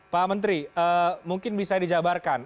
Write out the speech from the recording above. pak menteri mungkin bisa dijabarkan